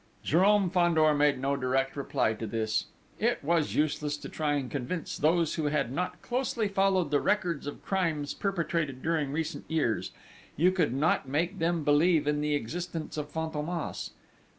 Jérôme Fandor made no direct reply to this it was useless to try and convince those who had not closely followed the records of crimes perpetrated during recent years: you could not make them believe in the existence of Fantômas.